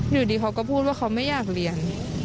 อยู่ดีเขาก็พูดว่าเขาไม่อยากเรียน